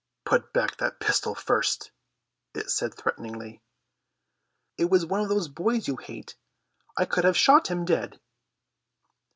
"Put back that pistol first," it said threateningly. "It was one of those boys you hate. I could have shot him dead."